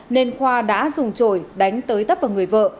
nên khoa đã dùng trổi đánh tới tấp vào người vợ